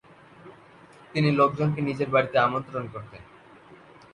তিনি লোকজনকে নিজের বাড়িতে আমন্ত্রণ করতেন।